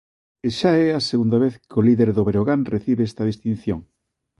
E xa é a segunda vez que o líder do Breogán recibe esta distinción.